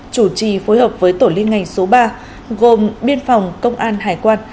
chủ trì phối hợp với tổ liên ngành số ba gồm biên phòng công an hải quan